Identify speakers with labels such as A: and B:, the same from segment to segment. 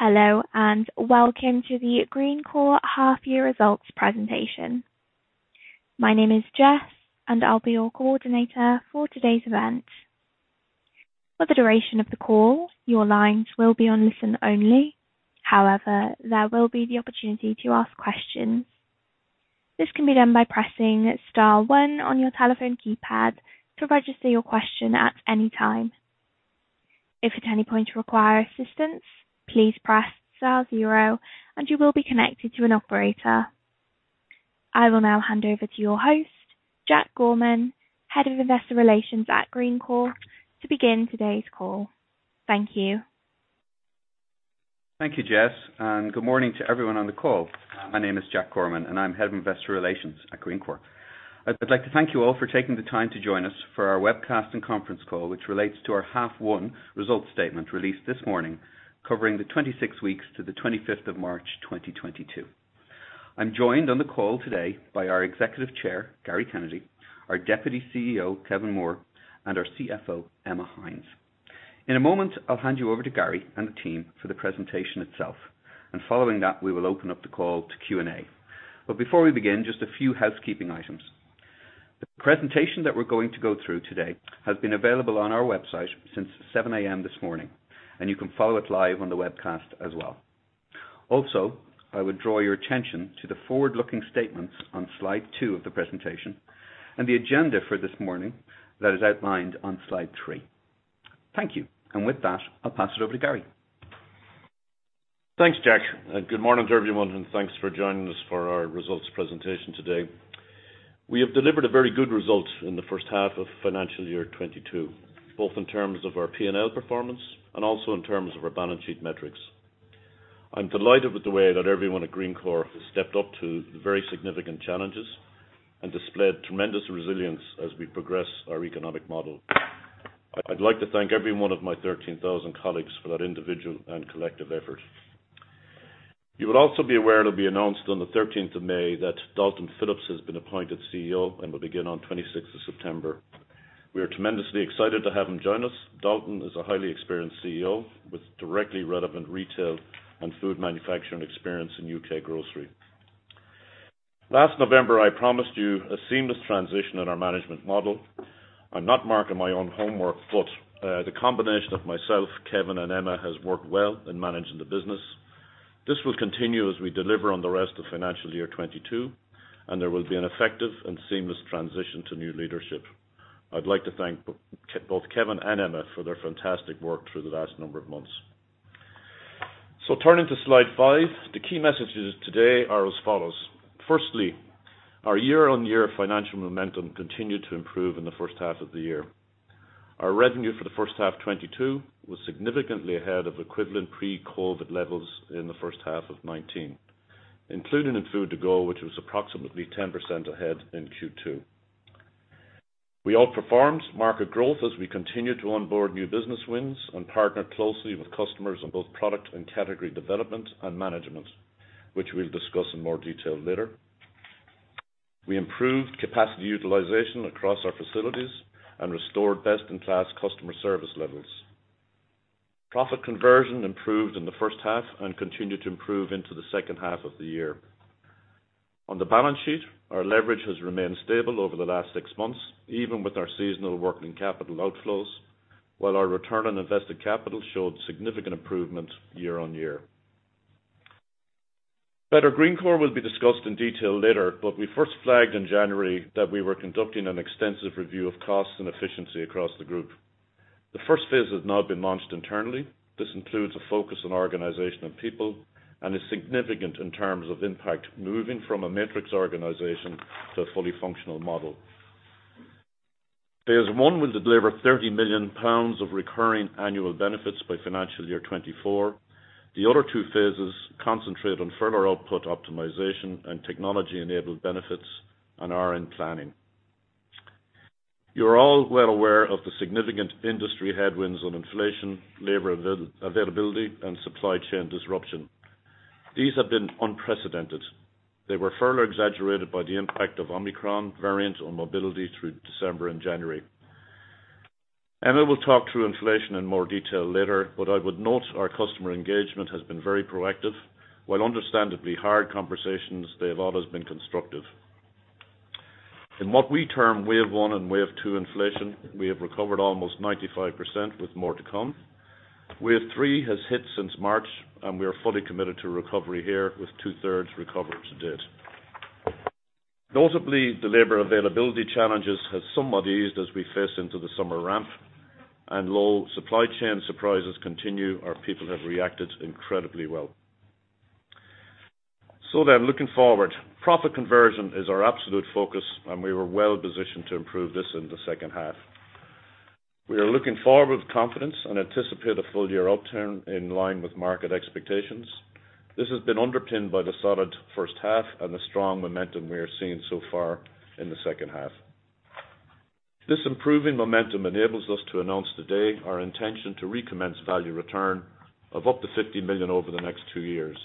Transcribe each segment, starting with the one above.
A: Hello, and welcome to the Greencore Half Year Results Presentation. My name is Jess, and I'll be your coordinator for today's event. For the duration of the call, your lines will be on listen only. However, there will be the opportunity to ask questions. This can be done by pressing star one on your telephone keypad to register your question at any time. If at any point you require assistance, please press star zero, and you will be connected to an operator. I will now hand over to your host, Jack Gorman, Head of Investor Relations at Greencore, to begin today's call. Thank you.
B: Thank you, Jess, and good morning to everyone on the call. My name is Jack Gorman, and I'm Head of Investor Relations at Greencore. I'd like to thank you all for taking the time to join us for our webcast and conference call, which relates to our H1 result statement released this morning covering the 26 weeks to the 25th of March 2022. I'm joined on the call today by our Executive Chair, Gary Kennedy, our Deputy CEO, Kevin Moore, and our CFO, Emma Hynes. In a moment, I'll hand you over to Gary and the team for the presentation itself, and following that, we will open up the call to Q&A. Before we begin, just a few housekeeping items. The presentation that we're going to go through today has been available on our website since 7:00 A.M. this morning, and you can follow it live on the webcast as well. Also, I would draw your attention to the forward-looking statements on slide two of the presentation and the agenda for this morning that is outlined on slide three. Thank you. With that, I'll pass it over to Gary.
C: Thanks, Jack. Good morning to everyone, and thanks for joining us for our results presentation today. We have delivered a very good result in the first half of financial year 2022, both in terms of our P&L performance and also in terms of our balance sheet metrics. I'm delighted with the way that everyone at Greencore has stepped up to the very significant challenges and displayed tremendous resilience as we progress our economic model. I'd like to thank every one of my 13,000 colleagues for that individual and collective effort. You will also be aware it'll be announced on the 13th of May that Dalton Philips has been appointed CEO and will begin on 26th of September. We are tremendously excited to have him join us. Dalton is a highly experienced CEO with directly relevant retail and food manufacturing experience in U.K. grocery. Last November, I promised you a seamless transition in our management model. I'm not marking my own homework, but, the combination of myself, Kevin, and Emma has worked well in managing the business. This will continue as we deliver on the rest of financial year 2022, and there will be an effective and seamless transition to new leadership. I'd like to thank both Kevin and Emma for their fantastic work through the last number of months. Turning to slide five, the key messages today are as follows. Firstly, our year-on-year financial momentum continued to improve in the first half of the year. Our revenue for the first half 2022 was significantly ahead of equivalent pre-COVID levels in the first half of 2019, including in food to go, which was approximately 10% ahead in Q2. We outperformed market growth as we continued to onboard new business wins and partnered closely with customers on both product and category development and management, which we'll discuss in more detail later. We improved capacity utilization across our facilities and restored best-in-class customer service levels. Profit conversion improved in the first half and continued to improve into the second half of the year. On the balance sheet, our leverage has remained stable over the last six months, even with our seasonal working capital outflows, while our return on invested capital showed significant improvement year on year. Better Greencore will be discussed in detail later, but we first flagged in January that we were conducting an extensive review of costs and efficiency across the group. The first phase has now been launched internally. This includes a focus on organization and people and is significant in terms of impact, moving from a matrix organization to a fully functional model. Phase one will deliver 30 million pounds of recurring annual benefits by financial year 2024. The other two phases concentrate on further output optimization and technology-enabled benefits and are in planning. You're all well aware of the significant industry headwinds on inflation, labor availability, and supply chain disruption. These have been unprecedented. They were further exaggerated by the impact of Omicron variant on mobility through December and January. Emma will talk through inflation in more detail later, but I would note our customer engagement has been very proactive. While understandably hard conversations, they have always been constructive. In what we term wave one and wave two inflation, we have recovered almost 95% with more to come. Wave three has hit since March, and we are fully committed to recovery here with two-thirds recovered to date. Notably, the labor availability challenges have somewhat eased as we face into the summer ramp and no supply chain surprises continue. Our people have reacted incredibly well. Looking forward, profit conversion is our absolute focus, and we were well positioned to improve this in the second half. We are looking forward with confidence and anticipate a full year upturn in line with market expectations. This has been underpinned by the solid first half and the strong momentum we are seeing so far in the second half. This improving momentum enables us to announce today our intention to recommence value return of up to 50 million over the next two years.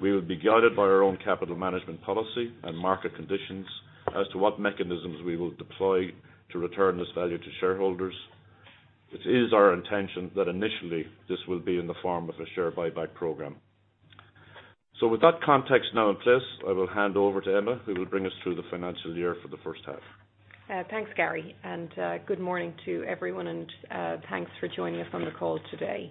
C: We will be guided by our own capital management policy and market conditions as to what mechanisms we will deploy to return this value to shareholders. It is our intention that initially this will be in the form of a share buyback program. With that context now in place, I will hand over to Emma, who will bring us through the financial year for the first half.
D: Thanks, Gary, and good morning to everyone, and thanks for joining us on the call today.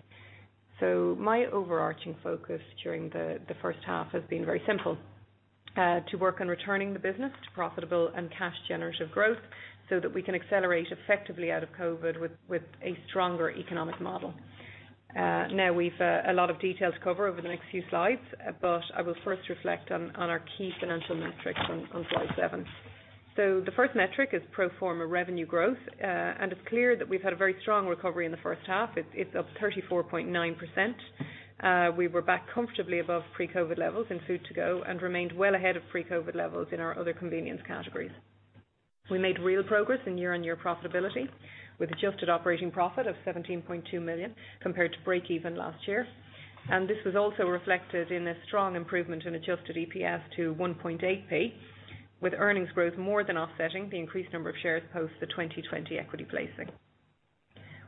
D: My overarching focus during the first half has been very simple, to work on returning the business to profitable and cash generative growth so that we can accelerate effectively out of COVID with a stronger economic model. Now we've a lot of detail to cover over the next few slides, but I will first reflect on our key financial metrics on slide seven. The first metric is pro forma revenue growth. It's clear that we've had a very strong recovery in the first half. It's up 34.9%. We were back comfortably above pre-COVID levels in food to go and remained well ahead of pre-COVID levels in our other convenience categories. We made real progress in year-on-year profitability with adjusted operating profit of 17.2 million compared to breakeven last year. This was also reflected in a strong improvement in adjusted EPS to 1.8p, with earnings growth more than offsetting the increased number of shares post the 2020 equity placing.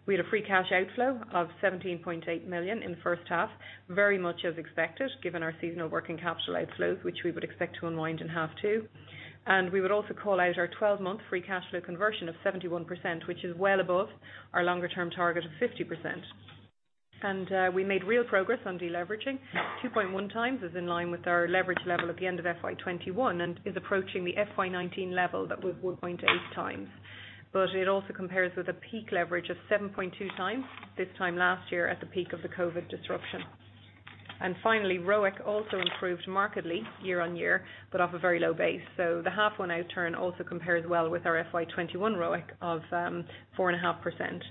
D: We had a free cash outflow of 17.8 million in the first half, very much as expected, given our seasonal working capital outflows, which we would expect to unwind in half two. We would also call out our twelve-month free cash flow conversion of 71%, which is well above our longer-term target of 50%. We made real progress on deleveraging. 2.1x is in line with our leverage level at the end of FY 2021 and is approaching the FY 2019 level that was 1.8x. It also compares with a peak leverage of 7.2x this time last year at the peak of the COVID disruption. Finally, ROIC also improved markedly year-on-year, but off a very low base. The half one outturn also compares well with our FY 2021 ROIC of 4.5%.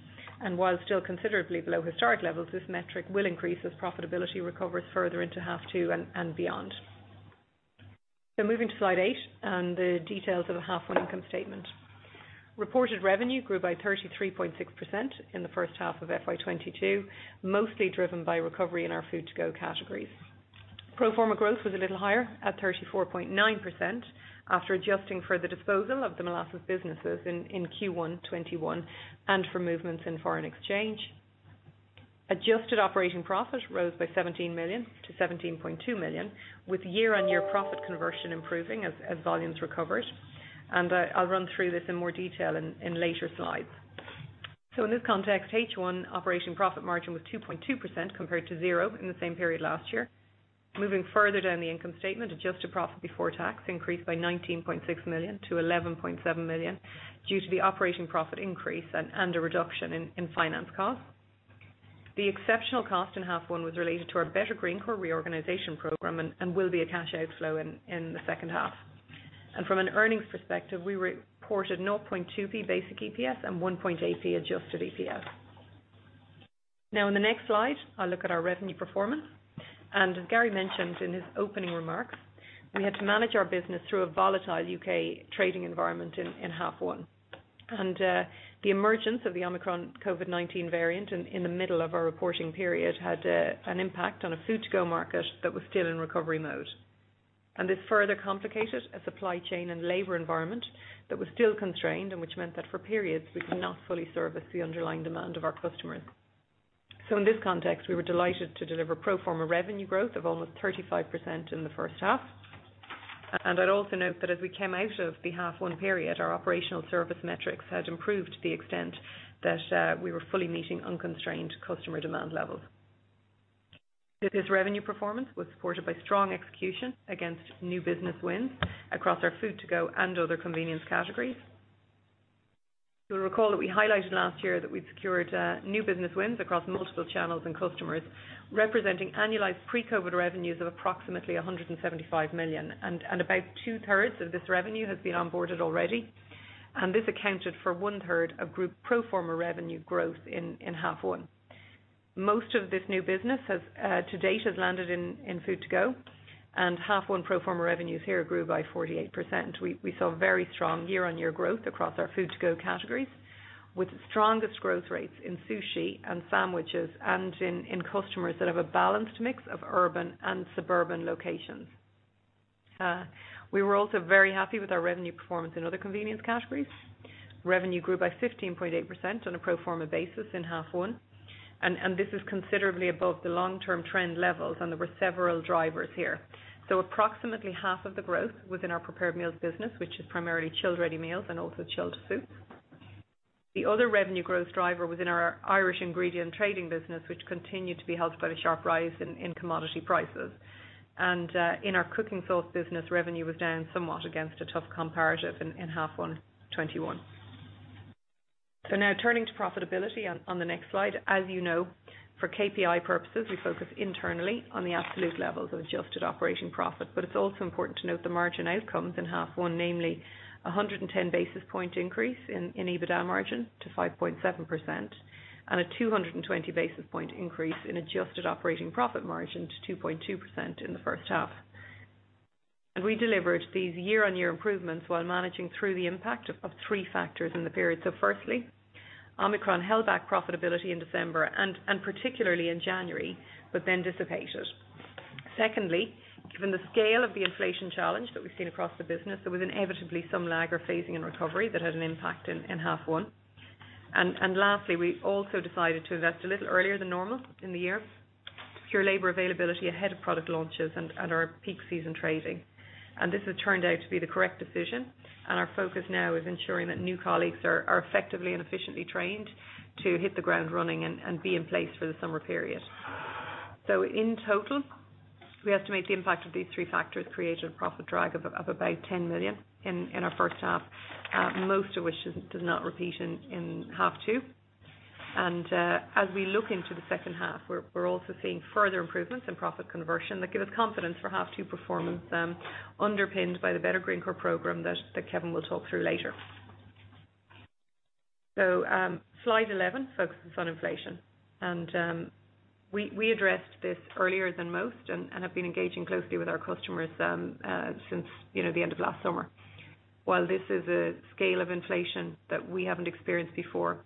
D: While still considerably below historic levels, this metric will increase as profitability recovers further into half two and beyond. Moving to slide eight and the details of the half one income statement. Reported revenue grew by 33.6% in the first half of FY 2022, mostly driven by recovery in our food to go categories. Pro forma growth was a little higher at 34.9% after adjusting for the disposal of the molasses businesses in Q1 2021 and for movements in foreign exchange. Adjusted operating profit rose by 17 million to 17.2 million, with year-on-year profit conversion improving as volumes recovered. I'll run through this in more detail in later slides. In this context, H1 operating profit margin was 2.2% compared to 0% in the same period last year. Moving further down the income statement, adjusted profit before tax increased by 19.6 million to 11.7 million due to the operating profit increase and a reduction in finance costs. The exceptional cost in half one was related to our Better Greencore reorganization program and will be a cash outflow in the second half. From an earnings perspective, we reported 0.2p basic EPS and 1.8p adjusted EPS. Now in the next slide, I'll look at our revenue performance. As Gary mentioned in his opening remarks, we had to manage our business through a volatile U.K. trading environment in half one. The emergence of the Omicron COVID-19 variant in the middle of our reporting period had an impact on a food to go market that was still in recovery mode. This further complicated a supply chain and labor environment that was still constrained and which meant that for periods we could not fully service the underlying demand of our customers. In this context, we were delighted to deliver pro forma revenue growth of almost 35% in the first half. I'd also note that as we came out of the half one period, our operational service metrics had improved to the extent that we were fully meeting unconstrained customer demand levels. This revenue performance was supported by strong execution against new business wins across our food to go and other convenience categories. You'll recall that we highlighted last year that we'd secured new business wins across multiple channels and customers, representing annualized pre-COVID revenues of approximately 175 million. About two-thirds of this revenue has been onboarded already. This accounted for one-third of group pro forma revenue growth in half one. Most of this new business has to date landed in food to go, and half one pro forma revenues here grew by 48%. We saw very strong year-on-year growth across our food to go categories, with the strongest growth rates in sushi and sandwiches and in customers that have a balanced mix of urban and suburban locations. We were also very happy with our revenue performance in other convenience categories. Revenue grew by 15.8% on a pro forma basis in half one, and this is considerably above the long-term trend levels, and there were several drivers here. Approximately half of the growth was in our prepared meals business, which is primarily chilled ready meals and also chilled soups. The other revenue growth driver was in our Irish ingredient trading business, which continued to be helped by the sharp rise in commodity prices. In our cooking sauce business, revenue was down somewhat against a tough comparative in half one 2021. Now turning to profitability on the next slide. As you know, for KPI purposes, we focus internally on the absolute levels of adjusted operating profit. It's also important to note the margin outcomes in half one, namely a 110 basis point increase in EBITDA margin to 5.7% and a 220 basis point increase in adjusted operating profit margin to 2.2% in the first half. We delivered these year-on-year improvements while managing through the impact of three factors in the period. Firstly, Omicron held back profitability in December and particularly in January, but then dissipated. Secondly, given the scale of the inflation challenge that we've seen across the business, there was inevitably some lag or phasing and recovery that had an impact in half one. Lastly, we also decided to invest a little earlier than normal in the year to secure labor availability ahead of product launches and our peak season trading. This has turned out to be the correct decision, and our focus now is ensuring that new colleagues are effectively and efficiently trained to hit the ground running and be in place for the summer period. In total, we estimate the impact of these three factors created a profit drag of about 10 million in our first half, most of which does not repeat in half two. As we look into the second half, we're also seeing further improvements in profit conversion that give us confidence for half two performance, underpinned by the Better Greencore program that Kevin will talk through later. Slide 11 focuses on inflation. We addressed this earlier than most and have been engaging closely with our customers, since, you know, the end of last summer. While this is a scale of inflation that we haven't experienced before,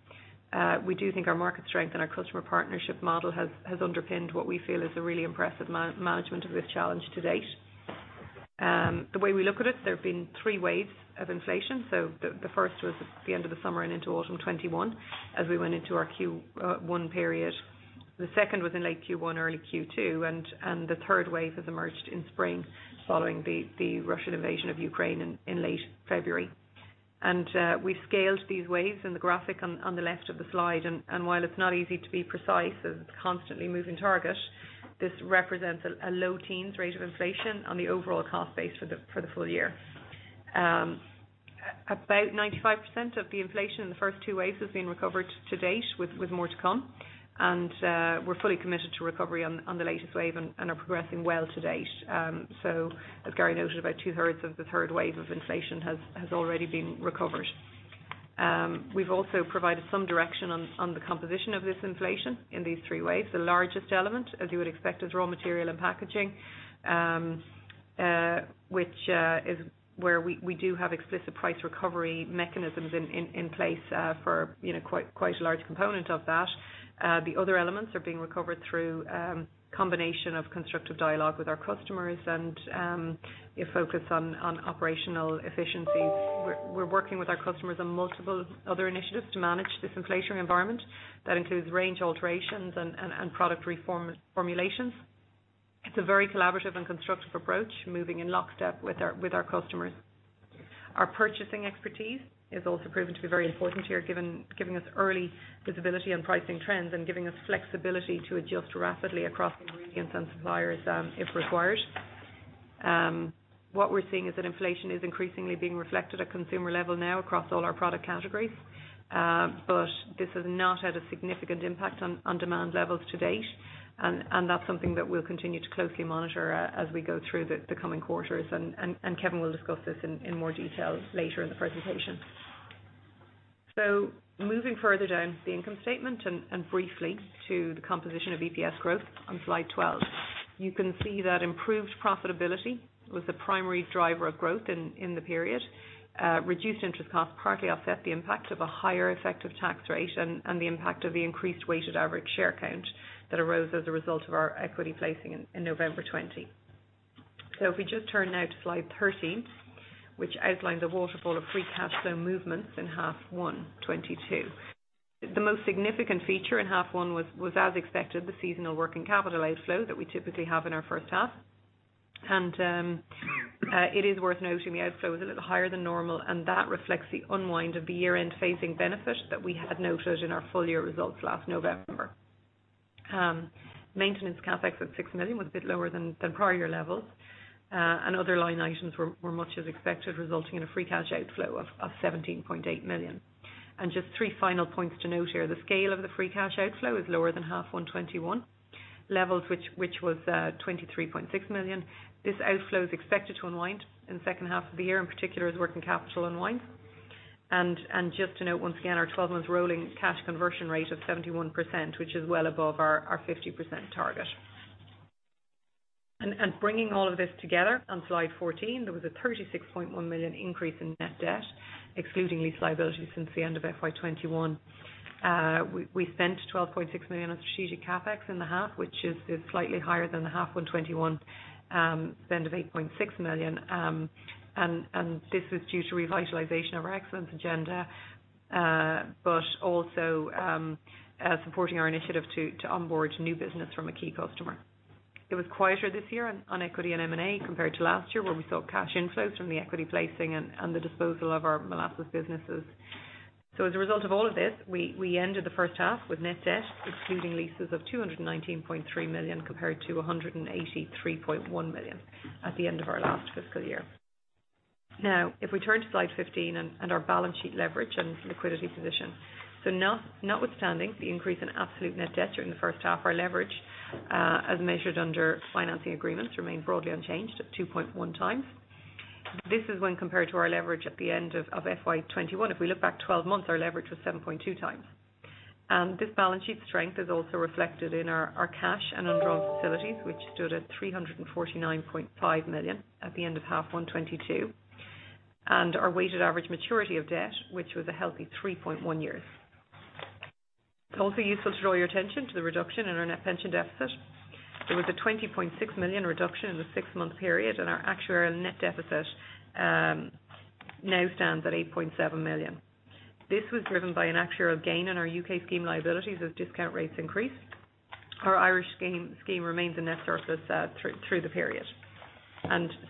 D: we do think our market strength and our customer partnership model has underpinned what we feel is a really impressive man-management of this challenge to date. The way we look at it, there have been three waves of inflation. The first was the end of the summer and into autumn 2021, as we went into our Q1 period. The second was in late Q1, early Q2, and the third wave has emerged in spring following the Russian invasion of Ukraine in late February. We've scaled these waves in the graphic on the left of the slide. While it's not easy to be precise, as it's a constantly moving target, this represents a low teens rate of inflation on the overall cost base for the full year. About 95% of the inflation in the first two waves has been recovered to date with more to come. We're fully committed to recovery on the latest wave and are progressing well to date. As Gary noted, about two-thirds of the third wave of inflation has already been recovered. We've also provided some direction on the composition of this inflation in these three waves. The largest element, as you would expect, is raw material and packaging, which is where we do have explicit price recovery mechanisms in place, you know, quite a large component of that. The other elements are being recovered through a combination of constructive dialogue with our customers and a focus on operational efficiencies. We're working with our customers on multiple other initiatives to manage this inflationary environment that includes range alterations and product reformulations. It's a very collaborative and constructive approach, moving in lockstep with our customers. Our purchasing expertise has also proven to be very important here, giving us early visibility on pricing trends and giving us flexibility to adjust rapidly across ingredients and suppliers, if required. What we're seeing is that inflation is increasingly being reflected at consumer level now across all our product categories. But this has not had a significant impact on demand levels to date, and that's something that we'll continue to closely monitor as we go through the coming quarters. Kevin will discuss this in more detail later in the presentation. Moving further down the income statement and briefly to the composition of EPS growth on slide 12. You can see that improved profitability was the primary driver of growth in the period. Reduced interest costs partly offset the impact of a higher effective tax rate and the impact of the increased weighted average share count that arose as a result of our equity placing in November 2020. If we just turn now to slide 13, which outlines a waterfall of free cash flow movements in half one 2022. The most significant feature in half one was, as expected, the seasonal working capital outflow that we typically have in our first half. It is worth noting the outflow was a little higher than normal, and that reflects the unwind of the year-end phasing benefit that we had noted in our full-year results last November. Maintenance CapEx at 6 million was a bit lower than prior levels. Other line items were much as expected, resulting in a free cash outflow of 17.8 million. Just three final points to note here. The scale of the free cash outflow is lower than half one 2021 levels, which was 23.6 million. This outflow is expected to unwind in the second half of the year, in particular as working capital unwinds. Just to note once again our 12 months rolling cash conversion rate of 71%, which is well above our 50% target. Bringing all of this together on slide 14, there was a 36.1 million increase in net debt, excluding lease liabilities since the end of FY 2021. We spent 12.6 million on strategic CapEx in the half, which is slightly higher than the half one 2021 spend of 8.6 million. This is due to revitalization of our excellence agenda, but also supporting our initiative to onboard new business from a key customer. It was quieter this year on equity and M&A compared to last year where we saw cash inflows from the equity placing and the disposal of our molasses businesses. As a result of all of this, we ended the first half with net debt, excluding leases, of 219.3 million compared to 183.1 million at the end of our last fiscal year. Now, if we turn to slide 15 and our balance sheet leverage and liquidity position, notwithstanding the increase in absolute net debt during the first half, our leverage, as measured under financing agreements, remained broadly unchanged at 2.1x. This is when compared to our leverage at the end of FY 2021. If we look back 12 months, our leverage was 7.2x. This balance sheet strength is also reflected in our cash and undrawn facilities, which stood at 349.5 million at the end of half one, 2022. Our weighted average maturity of debt, which was a healthy 3.1 years. It's also useful to draw your attention to the reduction in our net pension deficit. There was a 20.6 million reduction in the six-month period, and our actuarial net deficit now stands at 8.7 million. This was driven by an actuarial gain on our U.K. scheme liabilities as discount rates increased. Our Irish scheme remains a net surplus through the period.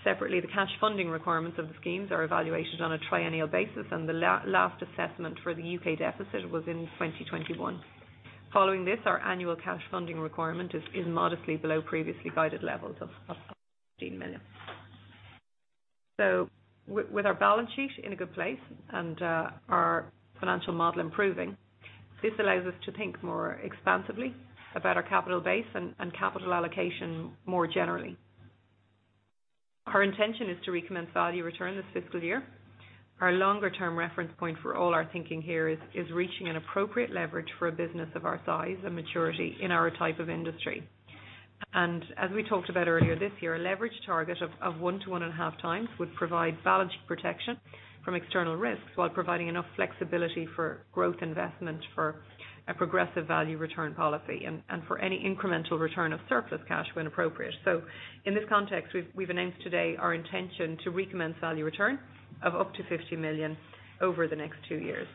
D: Separately, the cash funding requirements of the schemes are evaluated on a triennial basis, and the last assessment for the U.K. deficit was in 2021. Following this, our annual cash funding requirement is modestly below previously guided levels of 15 million. With our balance sheet in a good place and our financial model improving, this allows us to think more expansively about our capital base and capital allocation more generally. Our intention is to recommend value return this fiscal year. Our longer term reference point for all our thinking here is reaching an appropriate leverage for a business of our size and maturity in our type of industry. As we talked about earlier this year, a leverage target of 1-1.5x would provide balanced protection from external risks while providing enough flexibility for growth investment for a progressive value return policy and for any incremental return of surplus cash when appropriate. In this context, we've announced today our intention to recommend value return of up to 50 million over the next two years.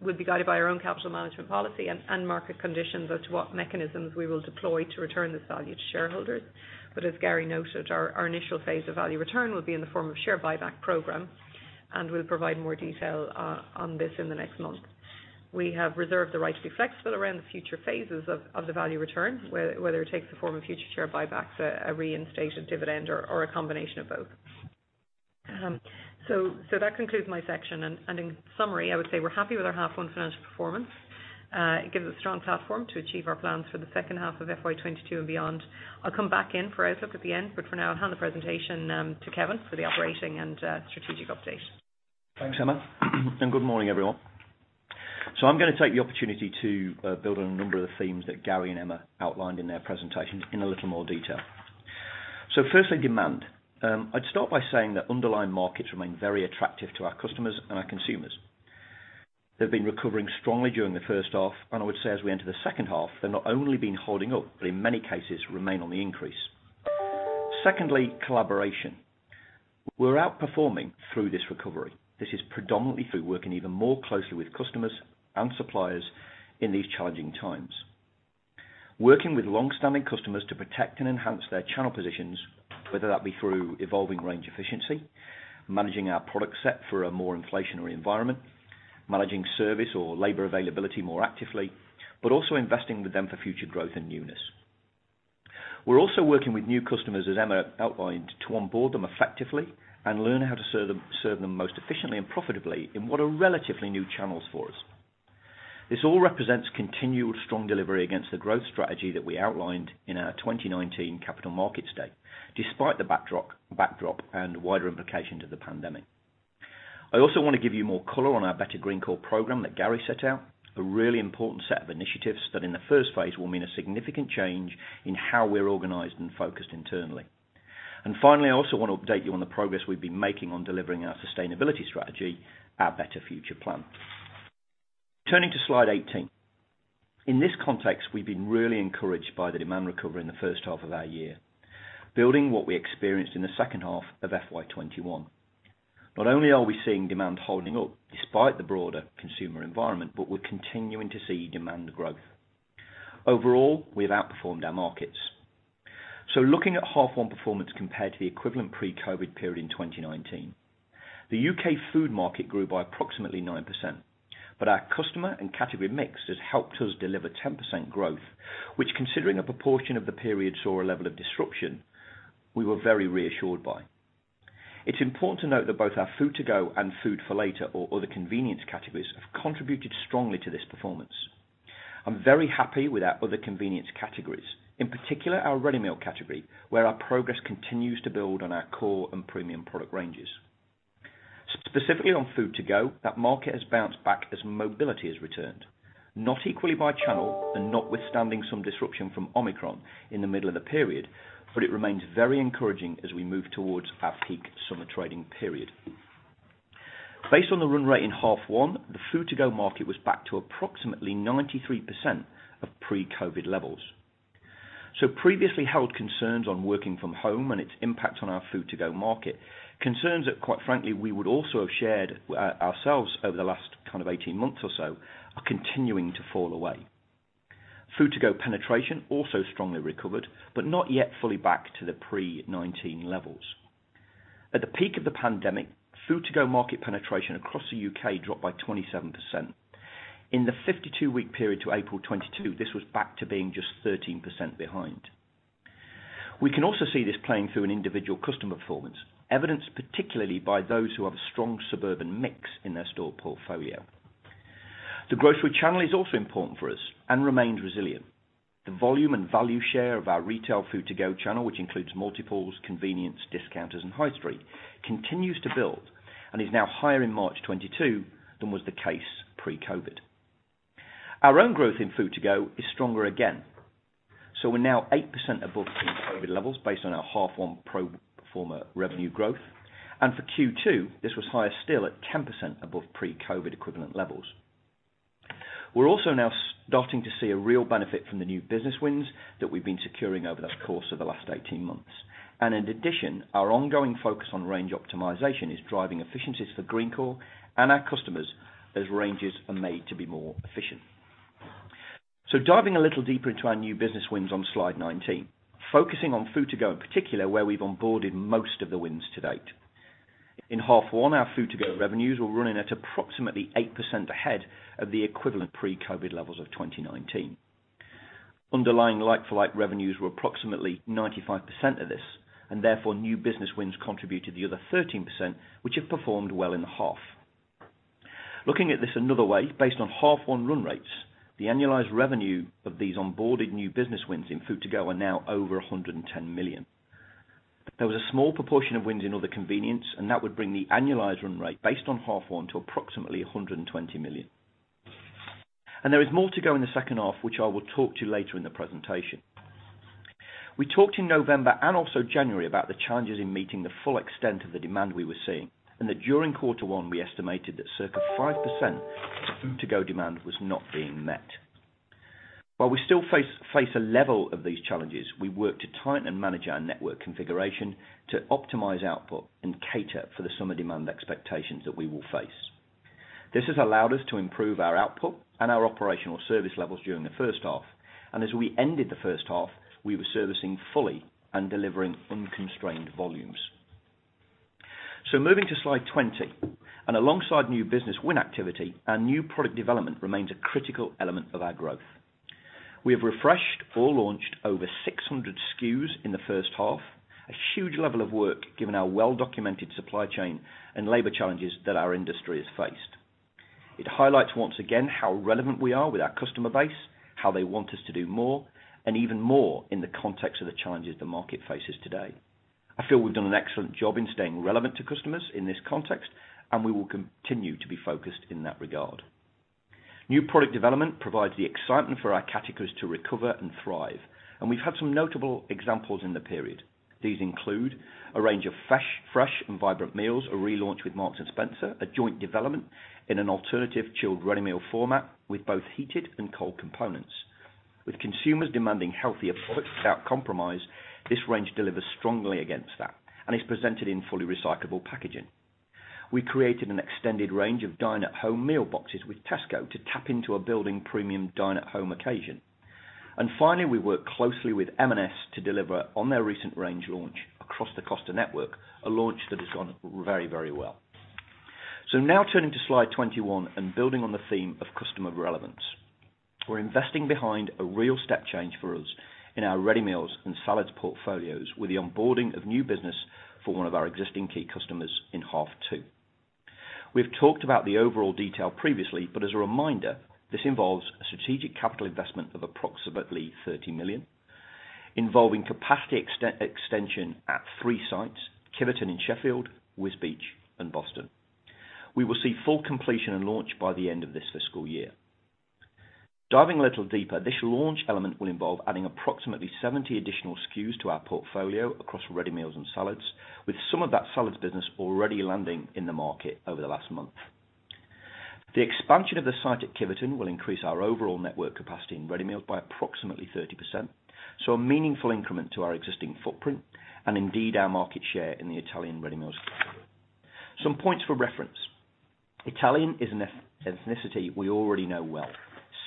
D: We'll be guided by our own capital management policy and market conditions as to what mechanisms we will deploy to return this value to shareholders. As Gary noted, our initial phase of value return will be in the form of share buyback program, and we'll provide more detail on this in the next month. We have reserved the right to be flexible around the future phases of the value return, whether it takes the form of future share buybacks, a reinstated dividend or a combination of both. That concludes my section. In summary, I would say we're happy with our half one financial performance. It gives us a strong platform to achieve our plans for the second half of FY 22 and beyond. I'll come back in for outlook at the end, but for now I'll hand the presentation to Kevin for the operating and strategic update.
E: Thanks, Emma. Good morning, everyone. I'm gonna take the opportunity to build on a number of the themes that Gary and Emma outlined in their presentations in a little more detail. Firstly, demand. I'd start by saying that underlying markets remain very attractive to our customers and our consumers. They've been recovering strongly during the first half, and I would say as we enter the second half, they've not only been holding up, but in many cases remain on the increase. Secondly, collaboration. We're outperforming through this recovery. This is predominantly through working even more closely with customers and suppliers in these challenging times. Working with longstanding customers to protect and enhance their channel positions, whether that be through evolving range efficiency, managing our product set for a more inflationary environment, managing service or labor availability more actively, but also investing with them for future growth and newness. We're also working with new customers, as Emma outlined, to onboard them effectively and learn how to serve them most efficiently and profitably in what are relatively new channels for us. This all represents continual strong delivery against the growth strategy that we outlined in our 2019 capital markets day, despite the backdrop and wider implications of the pandemic. I also want to give you more color on our Better Greencore program that Gary set out, a really important set of initiatives that in the first phase will mean a significant change in how we're organized and focused internally. Finally, I also want to update you on the progress we've been making on delivering our sustainability strategy, our Better Future Plan. Turning to slide 18. In this context, we've been really encouraged by the demand recovery in the first half of our year, building what we experienced in the second half of FY 2021. Not only are we seeing demand holding up despite the broader consumer environment, but we're continuing to see demand growth. Overall, we've outperformed our markets. Looking at half one performance compared to the equivalent pre-COVID period in 2019, the U.K. food market grew by approximately 9%, but our customer and category mix has helped us deliver 10% growth, which considering a proportion of the periods or a level of disruption, we were very reassured by. It's important to note that both our food to go and food for later or other convenience categories have contributed strongly to this performance. I'm very happy with our other convenience categories, in particular, our ready meal category, where our progress continues to build on our core and premium product ranges. Specifically on food to go, that market has bounced back as mobility has returned, not equally by channel and notwithstanding some disruption from Omicron in the middle of the period, but it remains very encouraging as we move towards our peak summer trading period. Based on the run rate in half one, the food to go market was back to approximately 93% of pre-COVID levels. Previously held concerns on working from home and its impact on our food to go market, concerns that quite frankly, we would also have shared with ourselves over the last kind of 18 months or so, are continuing to fall away. Food to go penetration also strongly recovered, but not yet fully back to the pre-2019 levels. At the peak of the pandemic, food to go market penetration across the U.K. dropped by 27%. In the 52-week period to April 2022, this was back to being just 13% behind. We can also see this playing through in individual customer performance, evidenced particularly by those who have a strong suburban mix in their store portfolio. The grocery channel is also important for us and remains resilient. The volume and value share of our retail food to go channel, which includes multiples, convenience, discounters, and high street, continues to build and is now higher in March 2022 than was the case pre-COVID. Our own growth in food to go is stronger again. We're now 8% above COVID levels based on our half one pro forma revenue growth. For Q2, this was higher still at 10% above pre-COVID equivalent levels. We're also now starting to see a real benefit from the new business wins that we've been securing over the course of the last 18 months. In addition, our ongoing focus on range optimization is driving efficiencies for Greencore and our customers as ranges are made to be more efficient. Diving a little deeper into our new business wins on slide 19, focusing on food to go in particular, where we've onboarded most of the wins to date. In half one, our food to go revenues were running at approximately 8% ahead of the equivalent pre-COVID levels of 2019. Underlying like-for-like revenues were approximately 95% of this, and therefore new business wins contribute to the other 13%, which have performed well in the half. Looking at this another way, based on half one run rates, the annualized revenue of these onboarded new business wins in food to go are now over 110 million. There was a small proportion of wins in other convenience, and that would bring the annualized run rate based on half one to approximately 120 million. There is more to go in the second half, which I will talk to later in the presentation. We talked in November and also January about the challenges in meeting the full extent of the demand we were seeing, and that during quarter one, we estimated that circa 5% food to go demand was not being met. While we still face a level of these challenges, we worked to tighten and manage our network configuration to optimize output and cater for the summer demand expectations that we will face. This has allowed us to improve our output and our operational service levels during the first half. As we ended the first half, we were servicing fully and delivering unconstrained volumes. Moving to slide 20, and alongside new business win activity and new product development remains a critical element of our growth. We have refreshed or launched over 600 SKUs in the first half, a huge level of work given our well-documented supply chain and labor challenges that our industry has faced. It highlights once again how relevant we are with our customer base, how they want us to do more, and even more in the context of the challenges the market faces today. I feel we've done an excellent job in staying relevant to customers in this context, and we will continue to be focused in that regard. New product development provides the excitement for our categories to recover and thrive, and we've had some notable examples in the period. These include a range of fresh and vibrant meals, a relaunch with Marks & Spencer, a joint development in an alternative chilled ready meal format with both heated and cold components. With consumers demanding healthier food without compromise, this range delivers strongly against that and is presented in fully recyclable packaging. We created an extended range of dine-at-home meal boxes with Tesco to tap into a building premium dine-at-home occasion. Finally, we work closely with M&S to deliver on their recent range launch across the Costa network, a launch that has gone very, very well. Now turning to slide 21 and building on the theme of customer relevance. We're investing behind a real step change for us in our ready meals and salads portfolios with the onboarding of new business for one of our existing key customers in half two. We've talked about the overall detail previously, but as a reminder, this involves a strategic capital investment of approximately 30 million, involving capacity extension at three sites, Kiveton in Sheffield, Wisbech, and Boston. We will see full completion and launch by the end of this fiscal year. Diving a little deeper, this launch element will involve adding approximately 70 additional SKUs to our portfolio across ready meals and salads, with some of that salads business already landing in the market over the last month. The expansion of the site at Kiveton will increase our overall network capacity in ready meals by approximately 30%, so a meaningful increment to our existing footprint and indeed our market share in the Italian ready meals category. Some points for reference. Italian is an ethnicity we already know well.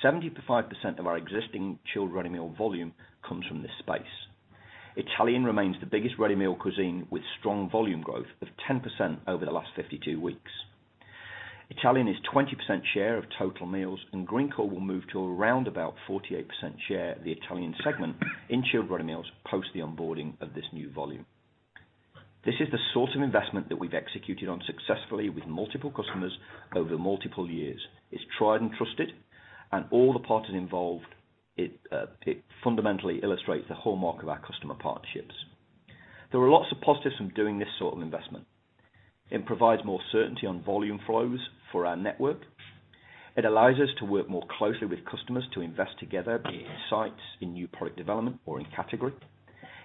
E: 75% of our existing chilled ready meal volume comes from this space. Italian remains the biggest ready meal cuisine, with strong volume growth of 10% over the last 52 weeks. Italian is 20% share of total meals, and Greencore will move to around about 48% share of the Italian segment in chilled ready meals post the onboarding of this new volume. This is the sort of investment that we've executed on successfully with multiple customers over multiple years. It's tried and trusted and all the parties involved, it fundamentally illustrates the hallmark of our customer partnerships. There are lots of positives from doing this sort of investment. It provides more certainty on volume flows for our network. It allows us to work more closely with customers to invest together in sites, in new product development or in category.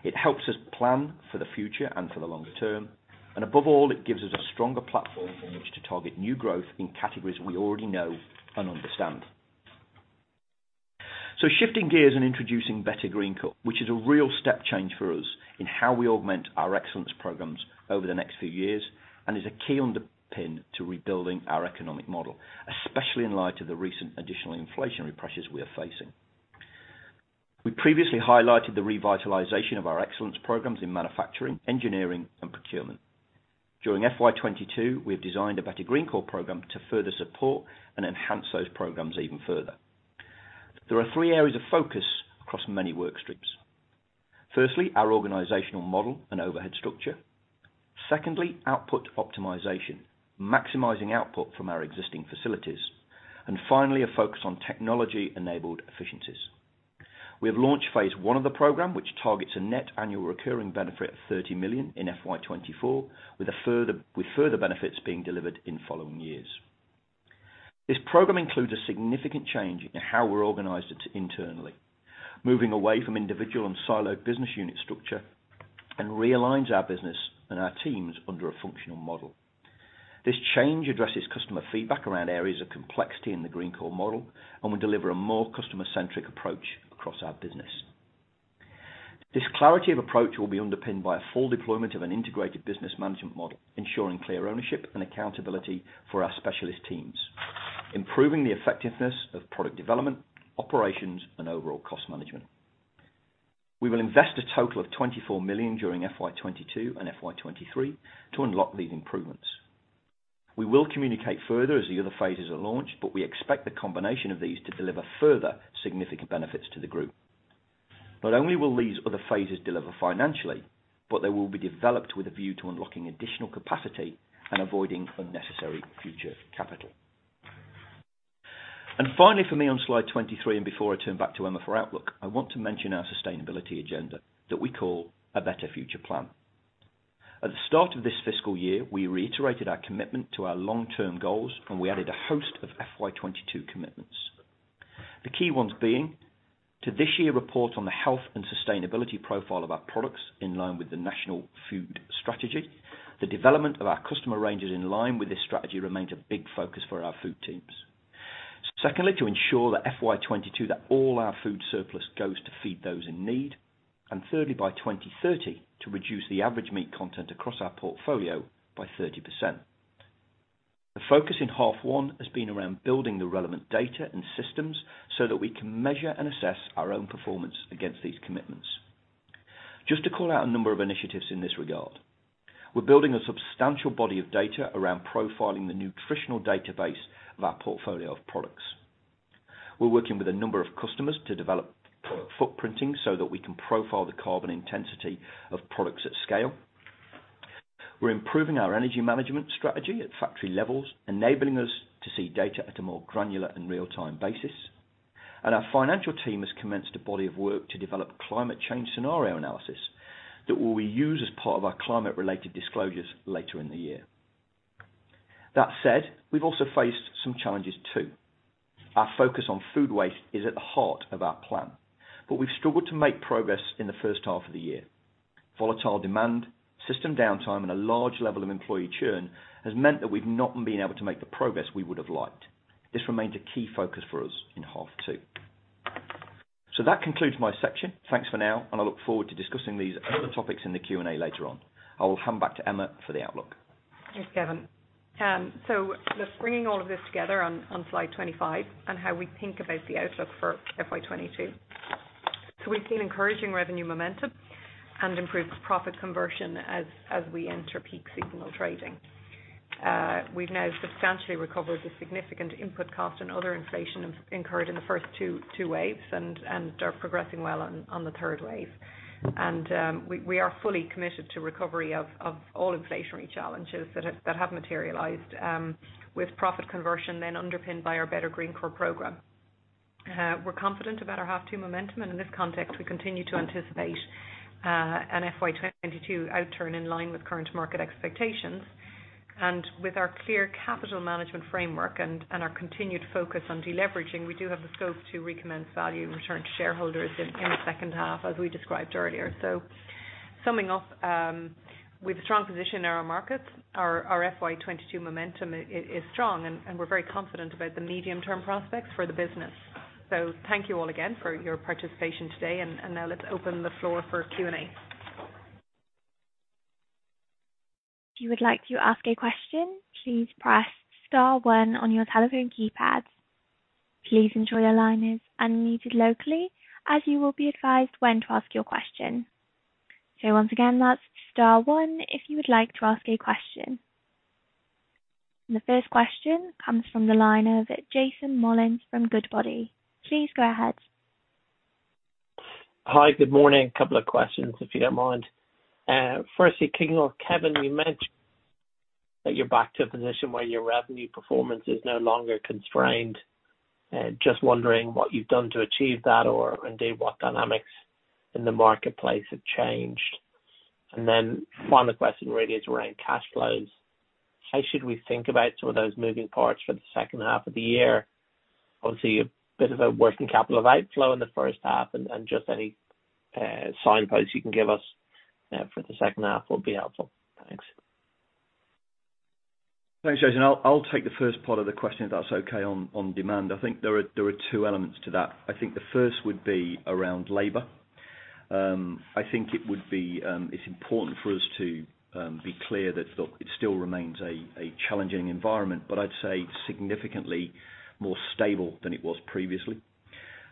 E: It helps us plan for the future and for the longer term. Above all, it gives us a stronger platform from which to target new growth in categories we already know and understand. Shifting gears and introducing Better Greencore, which is a real step change for us in how we augment our excellence programs over the next few years, and is a key underpin to rebuilding our economic model, especially in light of the recent additional inflationary pressures we are facing. We previously highlighted the revitalization of our excellence programs in manufacturing, engineering, and procurement. During FY 2022, we have designed a Better Greencore program to further support and enhance those programs even further. There are three areas of focus across many work streams. Firstly, our organizational model and overhead structure. Secondly, output optimization, maximizing output from our existing facilities. And finally, a focus on technology-enabled efficiencies. We have launched phase one of the program, which targets a net annual recurring benefit of 30 million in FY 2024, with further benefits being delivered in following years. This program includes a significant change in how we're organized internally, moving away from individual and siloed business unit structure and realigns our business and our teams under a functional model. This change addresses customer feedback around areas of complexity in the Greencore model, and will deliver a more customer-centric approach across our business. This clarity of approach will be underpinned by a full deployment of an integrated business management model, ensuring clear ownership and accountability for our specialist teams, improving the effectiveness of product development, operations, and overall cost management. We will invest a total of 24 million during FY 2022 and FY 2023 to unlock these improvements. We will communicate further as the other phases are launched, but we expect the combination of these to deliver further significant benefits to the group. Not only will these other phases deliver financially, but they will be developed with a view to unlocking additional capacity and avoiding unnecessary future capital. Finally for me on slide 23, and before I turn back to Emma for outlook, I want to mention our sustainability agenda that we call A Better Future Plan. At the start of this fiscal year, we reiterated our commitment to our long-term goals, and we added a host of FY 22 commitments. The key ones being to this year report on the health and sustainability profile of our products in line with the National Food Strategy. The development of our customer ranges in line with this strategy remains a big focus for our food teams. Secondly, to ensure that FY 22 all our food surplus goes to feed those in need. Thirdly, by 2030, to reduce the average meat content across our portfolio by 30%. The focus in first half has been around building the relevant data and systems so that we can measure and assess our own performance against these commitments. Just to call out a number of initiatives in this regard. We're building a substantial body of data around profiling the nutritional database of our portfolio of products. We're working with a number of customers to develop product footprinting so that we can profile the carbon intensity of products at scale. We're improving our energy management strategy at factory levels, enabling us to see data at a more granular and real-time basis. Our financial team has commenced a body of work to develop climate change scenario analysis that will be used as part of our climate-related disclosures later in the year. That said, we've also faced some challenges too. Our focus on food waste is at the heart of our plan, but we've struggled to make progress in the first half of the year. Volatile demand, system downtime, and a large level of employee churn has meant that we've not been able to make the progress we would have liked. This remains a key focus for us in half two. That concludes my section. Thanks for now, and I look forward to discussing these topics in the Q&A later on. I will hand back to Emma for the outlook.
D: Thanks, Kevin. Just bringing all of this together on slide 25 and how we think about the outlook for FY 2022. We've seen encouraging revenue momentum and improved profit conversion as we enter peak seasonal trading. We've now substantially recovered the significant input cost and other inflation incurred in the first two waves and are progressing well on the third wave. We are fully committed to recovery of all inflationary challenges that have materialized with profit conversion then underpinned by our Better Greencore program. We're confident about our H2 momentum, and in this context, we continue to anticipate an FY 2022 outturn in line with current market expectations. With our clear capital management framework and our continued focus on deleveraging, we do have the scope to recommence value return to shareholders in the second half, as we described earlier. Summing up, with a strong position in our markets, our FY 22 momentum is strong and we're very confident about the medium-term prospects for the business. Thank you all again for your participation today and now let's open the floor for Q&A.
A: If you would like to ask a question, please press star one on your telephone keypads. Please ensure your line is unmuted locally as you will be advised when to ask your question. Once again, that's star one if you would like to ask a question. The first question comes from the line of Jason Molins from Goodbody. Please go ahead.
F: Hi, good morning. A couple of questions if you don't mind. Firstly, kicking off Kevin, you mentioned that you're back to a position where your revenue performance is no longer constrained. Just wondering what you've done to achieve that or indeed what dynamics in the marketplace have changed. Then final question really is around cash flows. How should we think about some of those moving parts for the second half of the year? Obviously a bit of a working capital outflow in the first half and just any signposts you can give us for the second half will be helpful. Thanks.
E: Thanks, Jason. I'll take the first part of the question if that's okay, on demand. I think there are two elements to that. I think the first would be around labor. I think it would be important for us to be clear that look, it still remains a challenging environment, but I'd say significantly more stable than it was previously.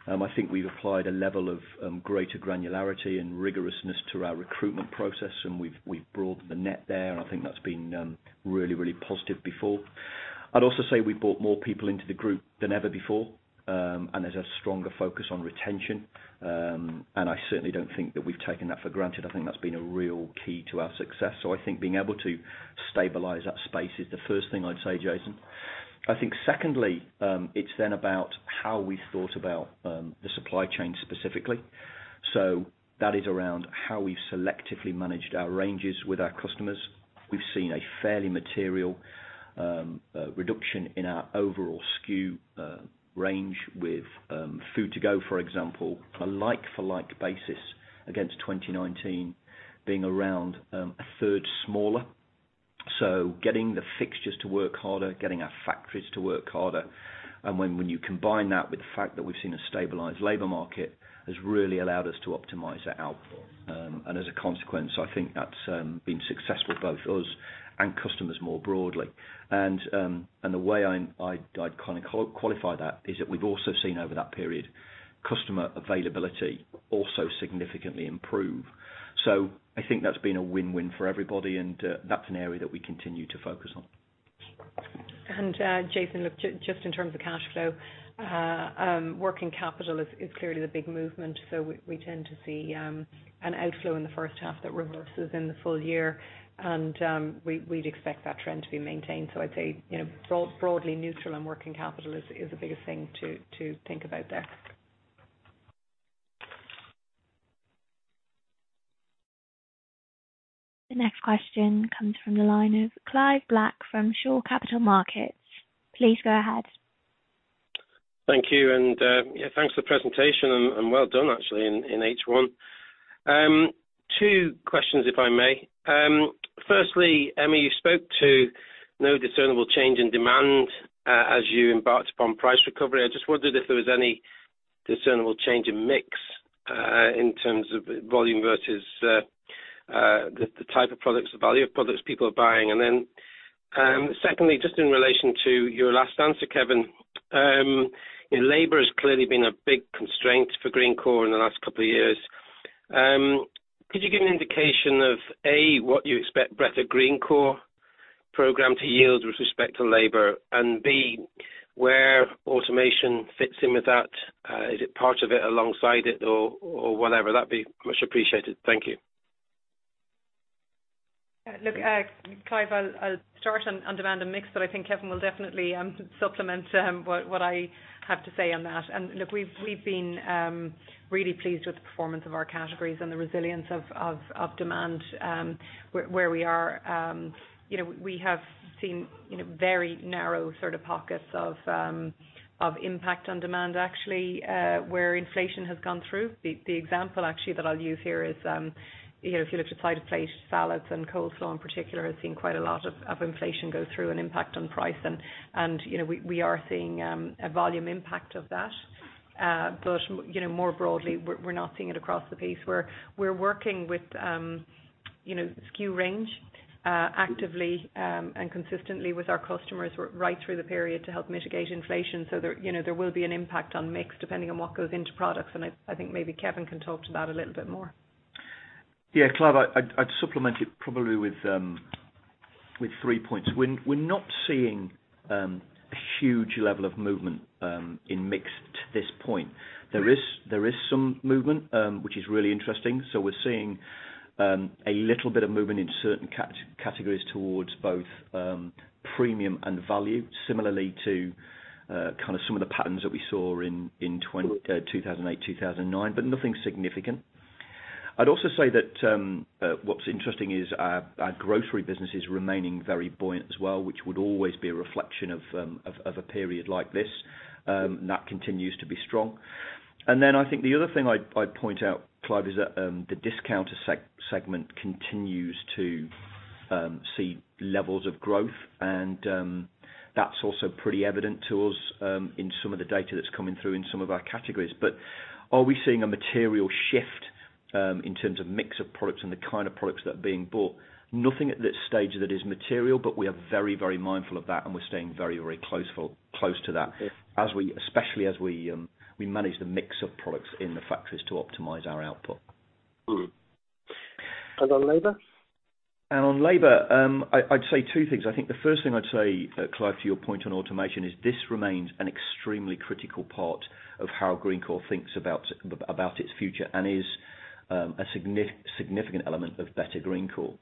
E: I think we've applied a level of greater granularity and rigorousness to our recruitment process and we've broadened the net there and I think that's been really positive for. I'd also say we've brought more people into the group than ever before, and there's a stronger focus on retention. I certainly don't think that we've taken that for granted. I think that's been a real key to our success. I think being able to stabilize that space is the first thing I'd say, Jason. I think secondly, it's then about how we've thought about the supply chain specifically. That is around how we've selectively managed our ranges with our customers. We've seen a fairly material reduction in our overall SKU range with food to go, for example, a like for like basis against 2019 being around a third smaller. Getting the fixtures to work harder, getting our factories to work harder, and when you combine that with the fact that we've seen a stabilized labor market, has really allowed us to optimize our output. As a consequence, I think that's been successful, both us and customers more broadly. The way I'm, I'd kinda qualify that is that we've also seen over that period, customer availability also significantly improve. I think that's been a win-win for everybody, and that's an area that we continue to focus on.
D: Jason, look, just in terms of cash flow, working capital is clearly the big movement. We tend to see an outflow in the first half that reverses in the full year and we'd expect that trend to be maintained. I'd say, you know, broadly neutral and working capital is the biggest thing to think about there.
A: The next question comes from the line of Clive Black from Shore Capital Markets. Please go ahead.
G: Thank you. Yeah, thanks for the presentation and well done actually in H1. Two questions if I may. Firstly, Emma, you spoke to no discernible change in demand as you embarked upon price recovery. I just wondered if there was any discernible change in mix in terms of volume versus the type of products, the value of products people are buying. Secondly, just in relation to your last answer, Kevin, labor has clearly been a big constraint for Greencore in the last couple of years. Could you give an indication of A, what you expect Better Greencore program to yield with respect to labor, and B, where automation fits in with that? Is it part of it alongside it or whatever? That'd be much appreciated. Thank you.
D: Look, Clive, I'll start on demand and mix, but I think Kevin will definitely supplement what I have to say on that. Look, we've been really pleased with the performance of our categories and the resilience of demand where we are. You know, we have seen you know very narrow sort of pockets of impact on demand actually where inflation has gone through. The example actually that I'll use here is you know if you look at side plate salads and coleslaw in particular have seen quite a lot of inflation go through and impact on price and you know we are seeing a volume impact of that. But you know more broadly we're not seeing it across the piece. We're working with you know, SKU range, actively and consistently with our customers right through the period to help mitigate inflation. There you know, there will be an impact on mix depending on what goes into products, and I think maybe Kevin can talk to that a little bit more.
E: Yeah, Clive, I'd supplement it probably with three points. We're not seeing a huge level of movement in mix to this point. There is some movement, which is really interesting. We're seeing a little bit of movement in certain categories towards both premium and value similarly to kind of some of the patterns that we saw in 2008, 2009, but nothing significant. I'd also say that what's interesting is our grocery business is remaining very buoyant as well, which would always be a reflection of a period like this. That continues to be strong. I think the other thing I'd point out, Clive, is that the discounter segment continues to see levels of growth, and that's also pretty evident to us in some of the data that's coming through in some of our categories. Are we seeing a material shift in terms of mix of products and the kind of products that are being bought? Nothing at this stage that is material, but we are very, very mindful of that, and we're staying very, very close to that.
G: Yeah
E: Especially as we manage the mix of products in the factories to optimize our output.
G: Mm-hmm. On labor?
E: On labor, I'd say two things. I think the first thing I'd say, Clive, to your point on automation is this remains an extremely critical part of how Greencore thinks about about its future and is a significant element of Better Greencore.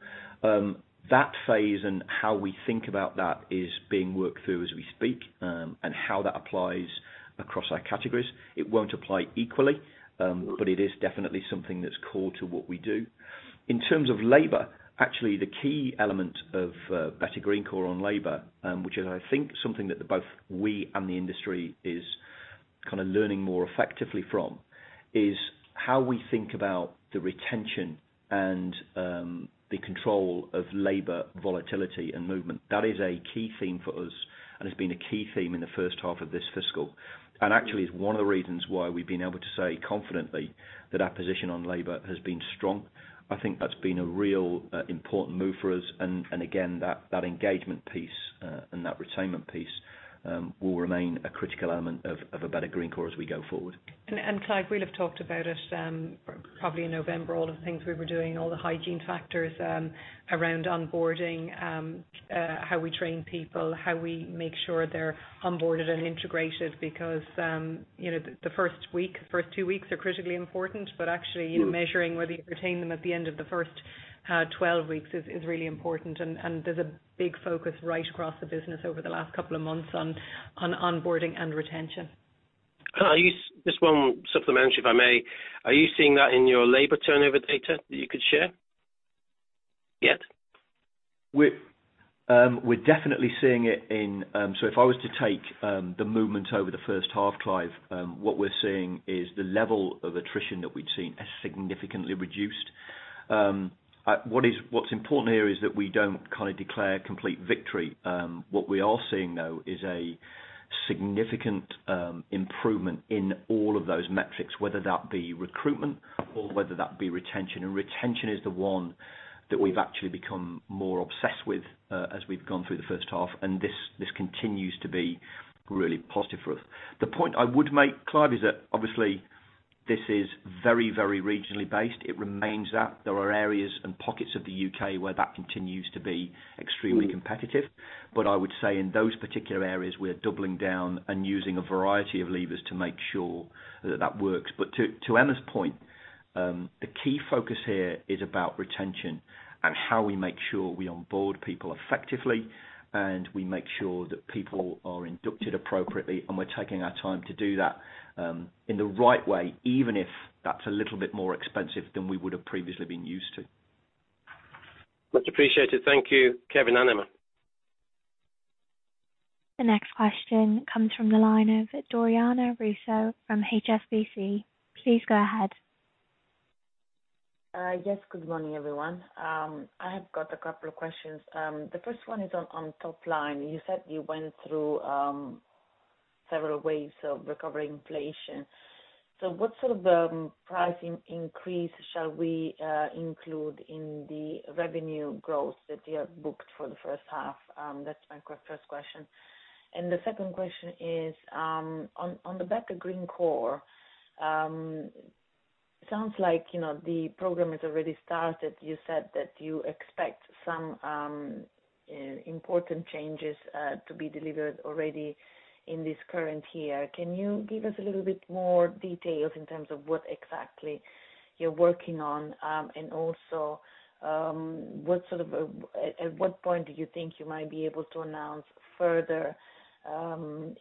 E: That phase and how we think about that is being worked through as we speak, and how that applies across our categories. It won't apply equally, but it is definitely something that's core to what we do. In terms of labor, actually, the key element of Better Greencore on labor, which is I think something that both we and the industry is kind of learning more effectively from, is how we think about the retention and the control of labor volatility and movement. That is a key theme for us and has been a key theme in the first half of this fiscal.
G: Mm-hmm.
E: Actually is one of the reasons why we've been able to say confidently that our position on labor has been strong. I think that's been a real important move for us and again, that engagement piece and that retention piece will remain a critical element of a Better Greencore as we go forward.
D: Clive, we'll have talked about it, probably in November, all the things we were doing, all the hygiene factors, around onboarding, how we train people, how we make sure they're onboarded and integrated because, you know, the first week, first two weeks are critically important. But actually.
G: Sure
D: in measuring whether you retain them at the end of the first 12 weeks is really important. There's a big focus right across the business over the last couple of months on onboarding and retention.
G: Just one supplementary, if I may. Are you seeing that in your labor turnover data that you could share yet?
E: We're definitely seeing it in. If I was to take the movement over the first half, Clive, what we're seeing is the level of attrition that we'd seen has significantly reduced. What's important here is that we don't kind of declare complete victory. What we are seeing though is a significant improvement in all of those metrics, whether that be recruitment or whether that be retention. Retention is the one that we've actually become more obsessed with as we've gone through the first half, and this continues to be really positive for us. The point I would make, Clive, is that obviously this is very, very regionally based. It remains that there are areas and pockets of the U.K. where that continues to be extremely competitive. I would say in those particular areas, we're doubling down and using a variety of levers to make sure that that works. To Emma's point, the key focus here is about retention and how we make sure we onboard people effectively, and we make sure that people are inducted appropriately, and we're taking our time to do that, in the right way, even if that's a little bit more expensive than we would've previously been used to.
G: Much appreciated. Thank you, Kevin and Emma.
A: The next question comes from the line of Doriana Russo from HSBC. Please go ahead.
H: Yes, good morning, everyone. I have got a couple of questions. The first one is on top line. You said you went through several waves of recovering inflation. What sort of pricing increase shall we include in the revenue growth that you have booked for the first half? That's my first question. The second question is, on the back of Greencore, sounds like, you know, the program has already started. You said that you expect some important changes to be delivered already in this current year. Can you give us a little bit more details in terms of what exactly you're working on? Also, at what point do you think you might be able to announce further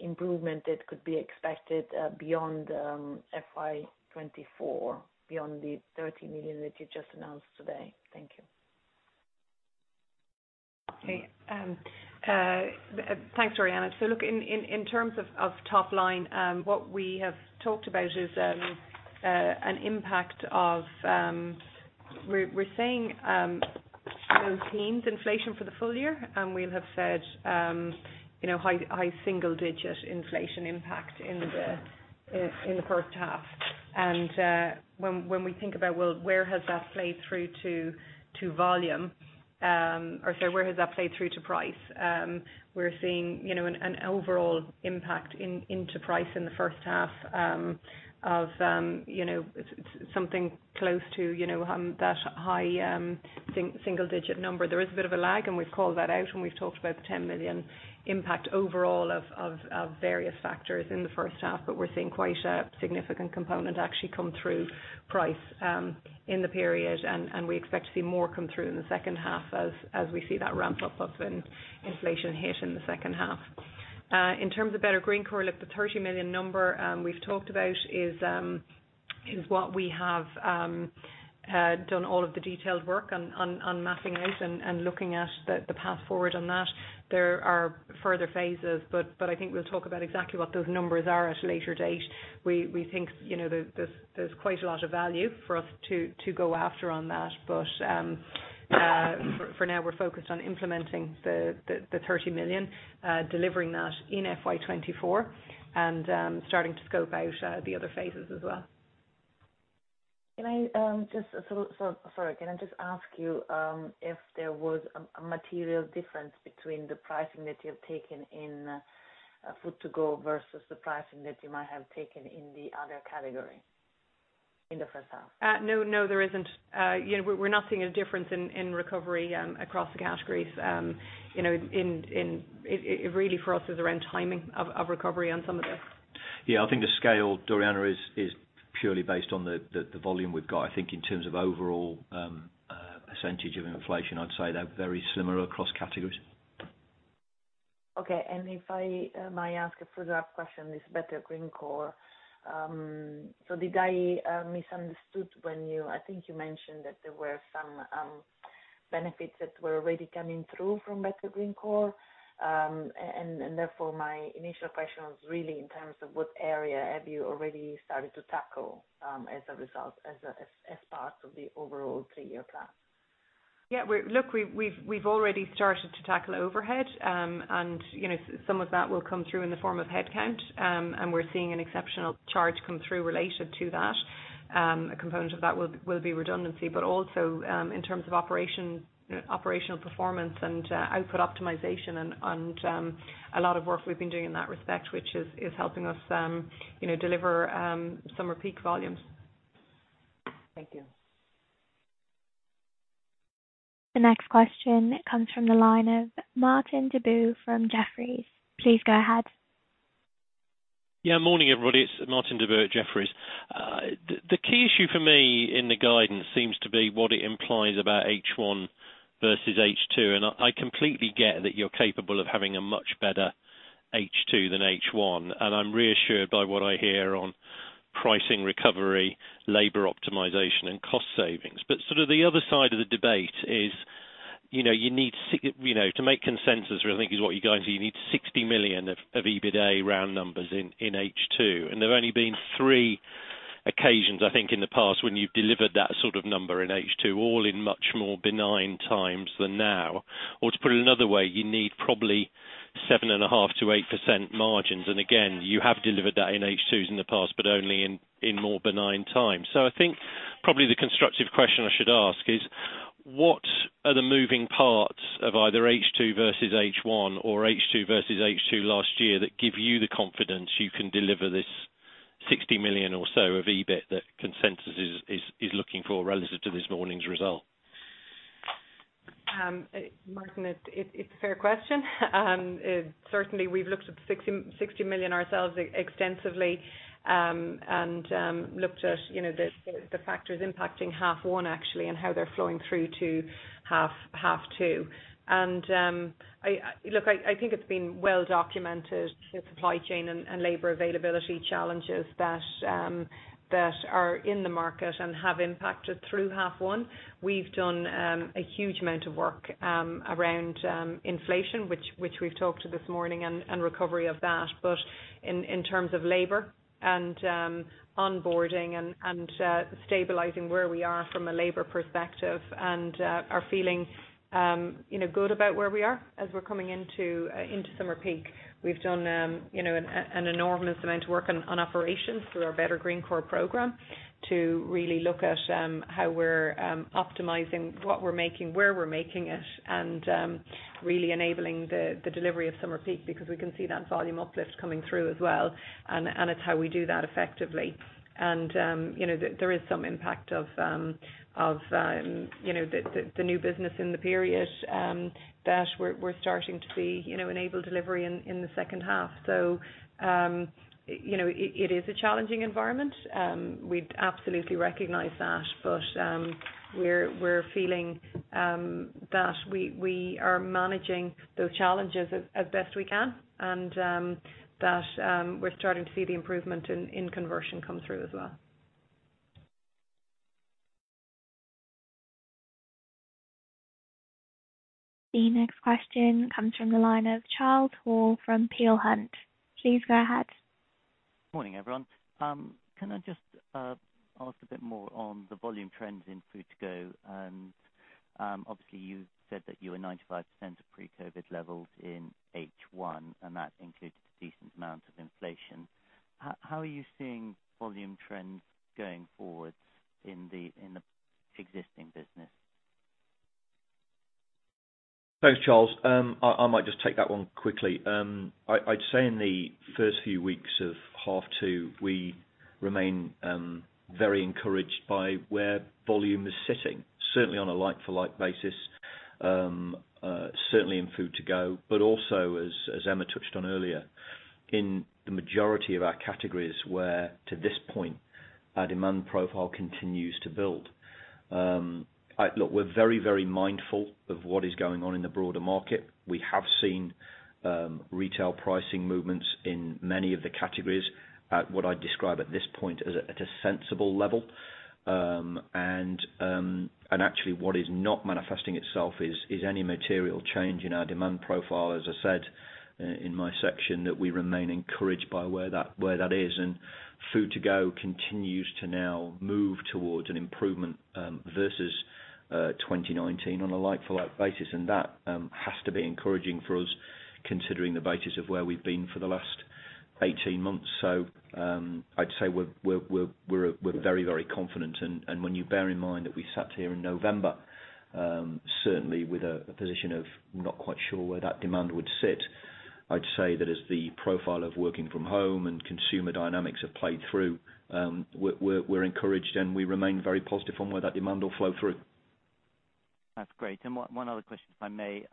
H: improvement that could be expected beyond FY 2024, beyond the 30 million that you just announced today? Thank you.
D: Okay. Thanks, Doriana. Look, in terms of top line, what we have talked about is an impact of. We're saying low teens inflation for the full year, and we'll have said you know high single digit inflation impact in the first half. When we think about well where has that played through to volume or sorry where has that played through to price, we're seeing you know an overall impact into price in the first half of you know something close to you know that high single digit number. There is a bit of a lag, and we've called that out when we've talked about the 10 million impact overall of various factors in the first half. We're seeing quite a significant component actually come through price in the period and we expect to see more come through in the second half as we see that ramp up of an inflation hit in the second half. In terms of Better Greencore, look, the 30 million number we've talked about is what we have done all of the detailed work on mapping out and looking at the path forward on that. There are further phases, but I think we'll talk about exactly what those numbers are at a later date. We think, you know, there's quite a lot of value for us to go after on that. We're focused on implementing the 30 million, delivering that in FY 2024 and starting to scope out the other phases as well.
H: Sorry, can I just ask you if there was a material difference between the pricing that you've taken in food to go versus the pricing that you might have taken in the other category in the first half?
D: No, there isn't. You know, we're not seeing a difference in recovery across the categories. You know, it really for us is around timing of recovery on some of the
G: Yeah, I think the scale, Doriana, is purely based on the volume we've got. I think in terms of overall percentage of inflation, I'd say they're very similar across categories.
H: Okay. If I might ask a follow-up question, this Better Greencore. So did I misunderstand when you, I think you mentioned, that there were some benefits that were already coming through from Better Greencore. Therefore my initial question was really in terms of what area have you already started to tackle, as a result, as part of the overall three-year plan?
D: Yeah. Look, we've already started to tackle overhead. You know, some of that will come through in the form of head count. We're seeing an exceptional charge come through related to that. A component of that will be redundancy, but also, in terms of operation, you know, operational performance and output optimization and a lot of work we've been doing in that respect, which is helping us, you know, deliver summer peak volumes.
H: Thank you.
A: The next question comes from the line of Martin Deboo from Jefferies. Please go ahead.
I: Morning, everybody. It's Martin Deboo at Jefferies. The key issue for me in the guidance seems to be what it implies about H1 versus H2. I completely get that you're capable of having a much better H2 than H1, and I'm reassured by what I hear on pricing recovery, labor optimization, and cost savings. Sort of the other side of the debate is, to make consensus, or I think is what you're going to, you need 60 million of EBITDA round numbers in H2, and there've only been three occasions, I think, in the past when you've delivered that sort of number in H2, all in much more benign times than now. To put it another way, you need probably 7.5%-8% margins. Again, you have delivered that in H2s in the past, but only in more benign times. I think probably the constructive question I should ask is what are the moving parts of either H2 versus H1 or H2 versus H2 last year that give you the confidence you can deliver this 60 million or so of EBIT that consensus is looking for relative to this morning's result?
D: Martin, it's a fair question. Certainly we've looked at 60 million ourselves extensively, and looked at, you know, the factors impacting half one actually, and how they're flowing through to half two. I think it's been well documented the supply chain and labor availability challenges that are in the market and have impacted through half one. We've done a huge amount of work around inflation, which we've talked about this morning and recovery of that. In terms of labor and onboarding and stabilizing where we are from a labor perspective and we're feeling, you know, good about where we are as we're coming into summer peak. We've done you know an enormous amount of work on operations through our Better Greencore program to really look at how we're optimizing what we're making, where we're making it, and really enabling the delivery of summer peak because we can see that volume uplift coming through as well, and it's how we do that effectively. You know there is some impact of you know the new business in the period that we're starting to see you know enable delivery in the second half. You know it is a challenging environment. We'd absolutely recognize that, but we're feeling that we are managing those challenges as best we can and that we're starting to see the improvement in conversion come through as well.
A: The next question comes from the line of Charles Hall from Peel Hunt. Please go ahead.
J: Morning, everyone. Can I just ask a bit more on the volume trends in food to go? Obviously you said that you were 95% of pre-COVID levels in H1, and that includes a decent amount of inflation. How are you seeing volume trends going forward in the existing business?
E: Thanks, Charles. I might just take that one quickly. I'd say in the first few weeks of half two, we remain very encouraged by where volume is sitting, certainly on a like for like basis, certainly in food to go, but also as Emma touched on earlier, in the majority of our categories where to this point our demand profile continues to build. Look, we're very, very mindful of what is going on in the broader market. We have seen retail pricing movements in many of the categories at what I'd describe at this point as a sensible level. Actually what is not manifesting itself is any material change in our demand profile. As I said in my section, that we remain encouraged by where that is. Food to go continues to now move towards an improvement versus 2019 on a like for like basis. That has to be encouraging for us considering the basis of where we've been for the last 18 months. I'd say we're very confident. When you bear in mind that we sat here in November certainly with a position of not quite sure where that demand would sit, I'd say that as the profile of working from home and consumer dynamics have played through, we're encouraged, and we remain very positive on where that demand will flow through.
J: That's great. One other question, if I may.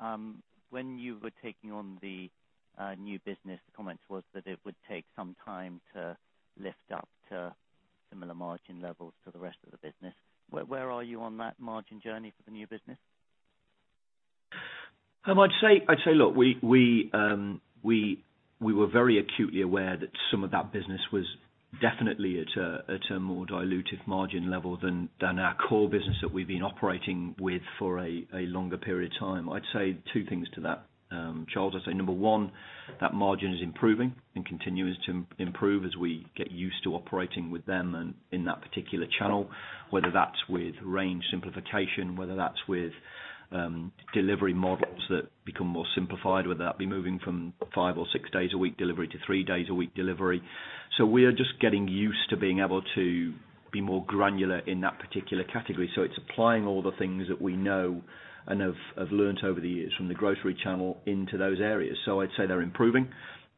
J: When you were taking on the new business, the comment was that it would take some time to lift up to similar margin levels to the rest of the business. Where are you on that margin journey for the new business?
E: I'd say, look, we were very acutely aware that some of that business was definitely at a more dilutive margin level than our core business that we've been operating with for a longer period of time. I'd say two things to that, Charles. I'd say number one, that margin is improving and continues to improve as we get used to operating with them and in that particular channel, whether that's with range simplification, whether that's with delivery models that become more simplified, whether that be moving from five or six days a week delivery to three days a week delivery. We are just getting used to being able to be more granular in that particular category. It's applying all the things that we know and have learned over the years from the grocery channel into those areas. I'd say they're improving,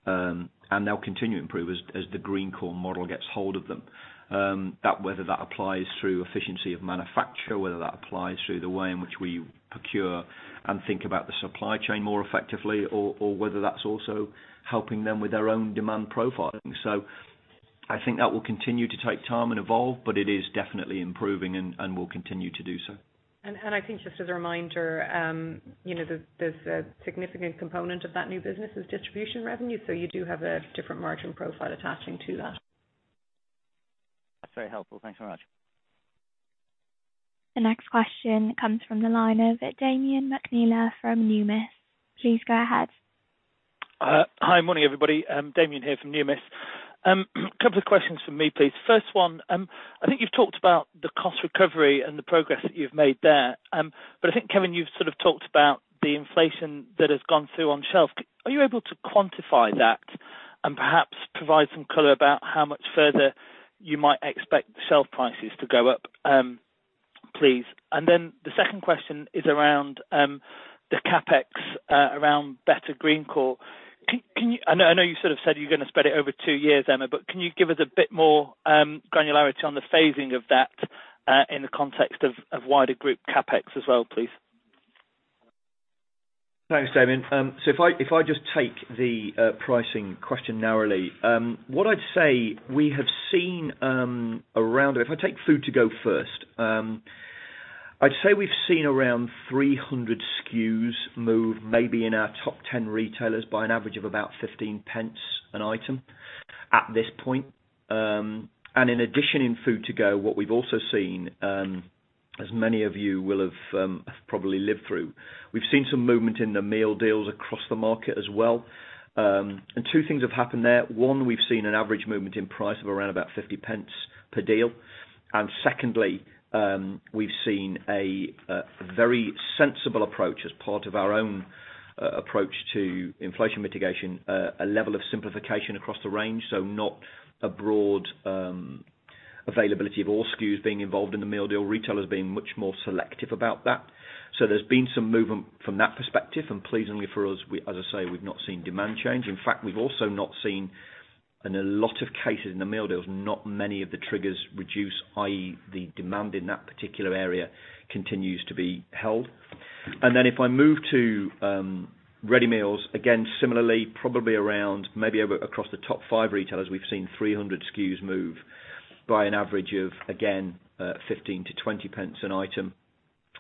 E: and they'll continue to improve as the Greencore model gets hold of them. That, whether that applies through efficiency of manufacture, whether that applies through the way in which we procure and think about the supply chain more effectively or whether that's also helping them with their own demand profiling. I think that will continue to take time and evolve, but it is definitely improving and will continue to do so.
D: I think just as a reminder, you know, there's a significant component of that new business is distribution revenue, so you do have a different margin profile attaching to that.
J: That's very helpful. Thanks so much.
A: The next question comes from the line of Damian Mcneela from Numis. Please go ahead.
K: Hi. Morning, everybody. I'm Damian here from Numis. Couple of questions from me, please. First one, I think you've talked about the cost recovery and the progress that you've made there. But I think, Kevin, you've sort of talked about the inflation that has gone through on shelf. Are you able to quantify that and perhaps provide some color about how much further you might expect the shelf prices to go up, please? Then the second question is around the CapEx around Better Greencore. I know you sort of said you're gonna spread it over two years, Emma, but can you give us a bit more granularity on the phasing of that in the context of wider group CapEx as well, please?
E: Thanks, Damian. So if I just take the pricing question narrowly, what I'd say. If I take food to go first, I'd say we've seen around 300 SKUs move maybe in our top 10 retailers by an average of about 0.15 an item at this point. In addition in food to go, what we've also seen, as many of you will have probably lived through, we've seen some movement in the meal deals across the market as well. Two things have happened there. One, we've seen an average movement in price of around about 0.50 per deal. Secondly, we've seen a very sensible approach as part of our own approach to inflation mitigation, a level of simplification across the range, so not a broad availability of all SKUs being involved in the meal deal. Retailers being much more selective about that. There's been some movement from that perspective, and pleasingly for us, as I say, we've not seen demand change. In fact, we've also not seen in a lot of cases in the meal deals, not many of the triggers reduce, i.e. the demand in that particular area continues to be held. If I move to ready meals, again, similarly, probably around maybe over across the top 5 retailers we've seen 300 SKUs move by an average of, again, 0.15-0.20 an item.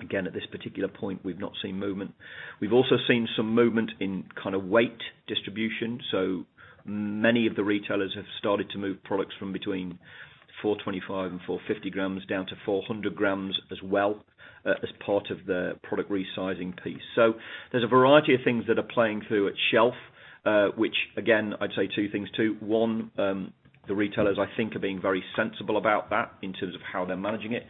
E: Again, at this particular point, we've not seen movement. We've also seen some movement in kinda weight distribution, so many of the retailers have started to move products from between 425 and 450 grams down to 400 grams as well, as part of the product resizing piece. There's a variety of things that are playing through at shelf, which again, I'd say two things to. One, the retailers I think are being very sensible about that in terms of how they're managing it.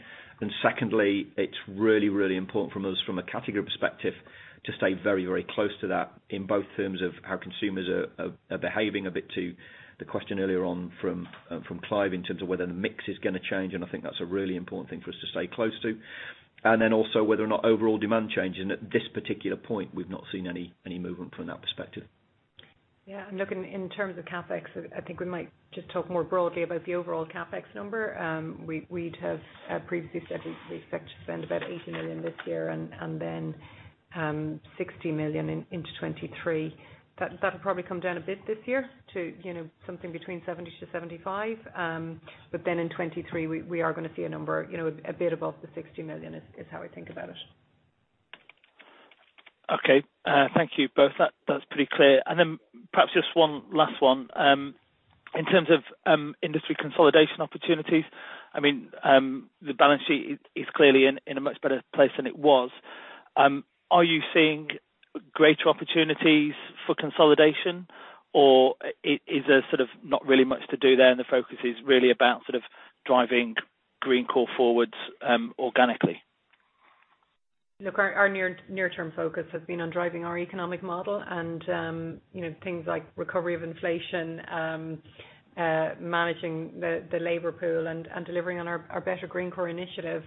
E: Secondly, it's really, really important for us from a category perspective, to stay very, very close to that in both terms of how consumers are behaving as to the question earlier on from Clive in terms of whether the mix is gonna change, and I think that's a really important thing for us to stay close to. Then also whether or not overall demand change. At this particular point, we've not seen any movement from that perspective.
D: In terms of CapEx, I think we might just talk more broadly about the overall CapEx number. We'd have previously said we expect to spend about 80 million this year and then 60 million in 2023. That'll probably come down a bit this year to, you know, something between 70 million-75 million. Then in 2023, we are gonna see a number, you know, a bit above the 60 million is how I think about it.
K: Okay. Thank you both. That's pretty clear. Then perhaps just one last one. In terms of industry consolidation opportunities, I mean, the balance sheet is clearly in a much better place than it was. Are you seeing greater opportunities for consolidation or is there sort of not really much to do there and the focus is really about sort of driving Greencore forward organically?
D: Look, our near-term focus has been on driving our economic model and, you know, things like recovery of inflation, managing the labor pool and delivering on our Better Greencore initiative.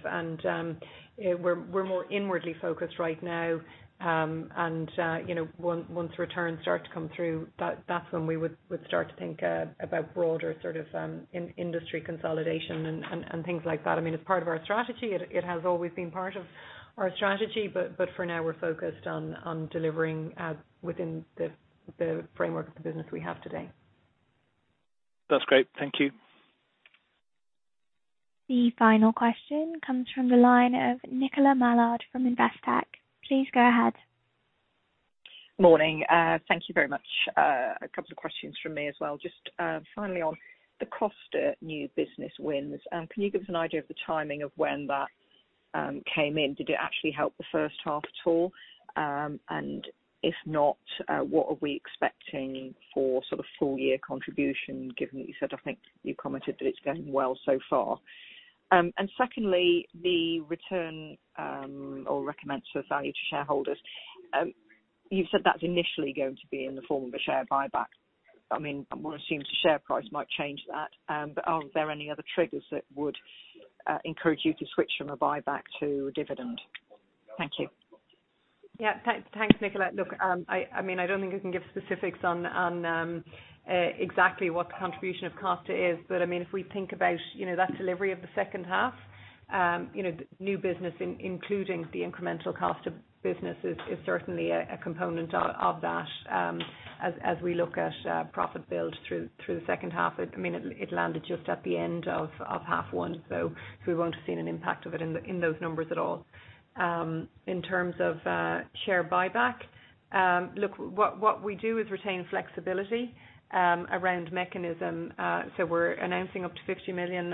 D: We're more inwardly focused right now. You know, once returns start to come through, that's when we would start to think about broader sort of in-industry consolidation and things like that. I mean, it's part of our strategy. It has always been part of our strategy, but for now we're focused on delivering within the framework of the business we have today.
K: That's great. Thank you.
A: The final question comes from the line of Nicola Mallard from Investec. Please go ahead.
L: Morning. Thank you very much. A couple of questions from me as well. Just, finally on the Costa new business wins, can you give us an idea of the timing of when that came in? Did it actually help the first half at all? And if not, what are we expecting for sort of full year contribution, given that you said, I think you commented that it's going well so far? And secondly, the return or recommended sort of value to shareholders, you've said that's initially going to be in the form of a share buyback. I mean, one assumes the share price might change that, but are there any other triggers that would encourage you to switch from a buyback to dividend? Thank you.
D: Thanks, Nicola. Look, I mean, I don't think I can give specifics on exactly what the contribution of Costa is, but I mean, if we think about, you know, that delivery of the second half, you know, new business including the incremental cost of business is certainly a component of that, as we look at profit build through the second half. I mean, it landed just at the end of half one, so we won't have seen an impact of it in those numbers at all. In terms of share buyback, look, what we do is retain flexibility around mechanism. We're announcing up to 50 million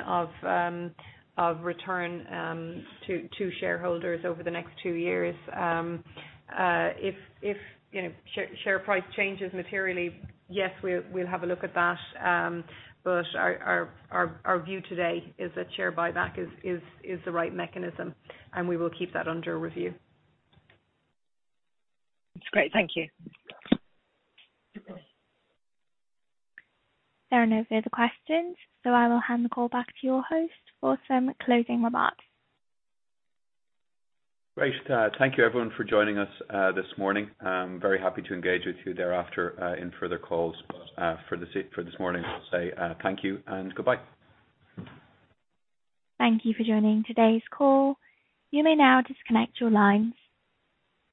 D: of return to shareholders over the next two years. If you know, share price changes materially, yes, we'll have a look at that. Our view today is that share buyback is the right mechanism, and we will keep that under review.
L: That's great. Thank you.
A: There are no further questions, so I will hand the call back to your host for some closing remarks.
E: Great. Thank you everyone for joining us, this morning. I'm very happy to engage with you thereafter, in further calls. For this morning, I'll say, thank you and goodbye.
A: Thank you for joining today's call. You may now disconnect your lines.